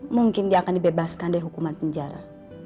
mungkin dia akan dibebaskan dari hukuman penjara